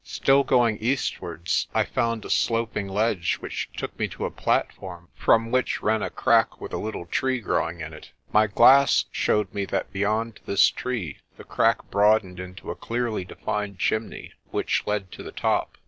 Still going eastwards, I found a sloping ledge which took me to a platform from which ran a crack with a little tree growing in it. My glass showed me that beyond this tree the crack broadened into a clearly defined chimney which led to the top.